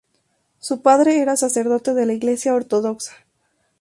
Su padre era sacerdote de la iglesia ortodoxa.